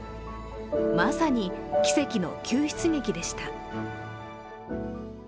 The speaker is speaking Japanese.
まさに、奇跡の救出劇でした。